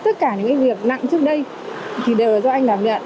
tất cả những cái việc nặng trước đây thì đều là do anh làm nhận